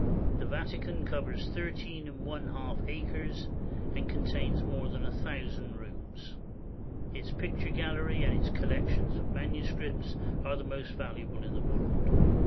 The Vatican covers thirteen and one half acres and contains more than a thousand rooms. Its picture gallery and its collections of manuscripts are the most valuable in the world.